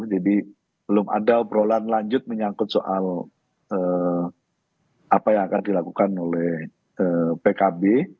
jadi belum ada obrolan lanjut menyangkut soal apa yang akan dilakukan oleh pkb